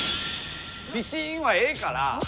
ピシーンはええから！